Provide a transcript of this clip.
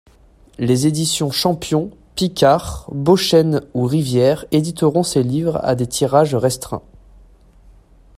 Les éditions Champion, Picard, Beauchesne ou Rivière éditeront ses livres à des tirages restreints.